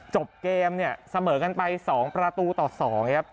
จบเกมเนี่ยเสมอกันไป๒ประตูต่อ๒ครับ